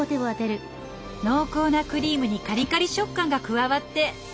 濃厚なクリームにカリカリ食感が加わって絶品ね！